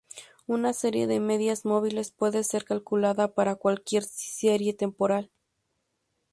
Una serie de medias móviles puede ser calculada para cualquier serie temporal.